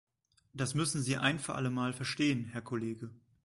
Das müssen Sie ein für alle Mal verstehen, Herr Kollege!